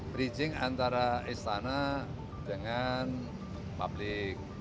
bridging antara istana dengan publik